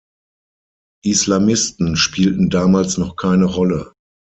Islamisten spielten damals noch keine Rolle.